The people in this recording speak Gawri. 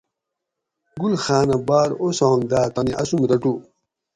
گل خاۤنہ باۤر اوسانگ داۤ تانی اسوم رٹو